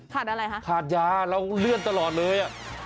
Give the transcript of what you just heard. อะไรคะขาดยาเราเลื่อนตลอดเลยอ่ะ